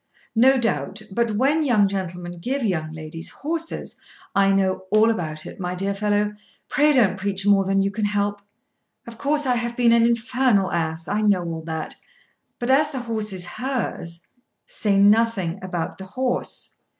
"No doubt; but when young gentlemen give young ladies horses " "I know all about it, my dear fellow. Pray don't preach more than you can help. Of course I have been an infernal ass. I know all that. But as the horse is hers " "Say nothing about the horse.